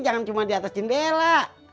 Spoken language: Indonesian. jangan cuma di atas jendela